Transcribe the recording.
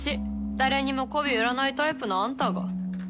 誰にも媚び売らないタイプのあんたが。